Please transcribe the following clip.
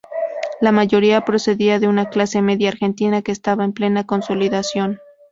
La mayoría procedía de una clase media argentina que estaba en plena consolidación.